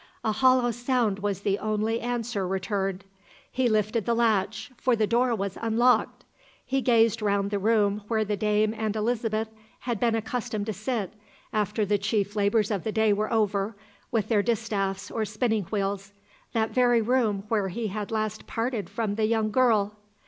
A hollow sound was the only answer returned. He lifted the latch, for the door was unlocked. He gazed round the room where the dame and Elizabeth had been accustomed to sit, after the chief labours of the day were over, with their distaffs or spinning wheels that very room where he had last parted from the young girl!